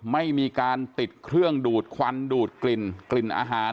ไม่มีการติดเครื่องดูดควันดูดกลิ่นกลิ่นอาหาร